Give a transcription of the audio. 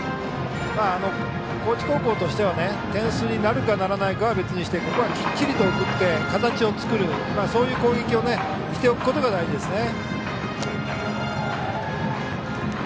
高知高校としては点数になるかならないかは別にしてここはきっちりと送って形を作るという攻撃をしておくことが大事ですね。